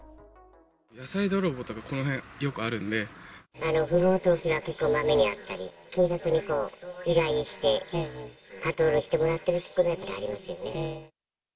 野菜泥棒とか、この辺、不法投棄が結構まめにあったり、警察に依頼して、パトロールしてもらってるっていうところはありますよね。